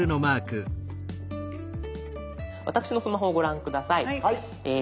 私のスマホをご覧下さい。